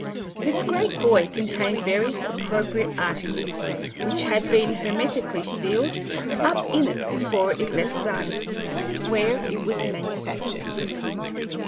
This great buoy contained various appropriate articles, which had been hermetically sealed up in it before it left Sardis, where it was manufactured.